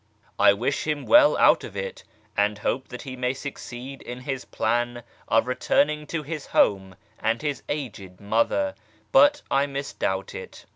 I wish him well out of it, and hope that he may succeed in his plan of returning to his home and his aged mother; but I misdoubt it.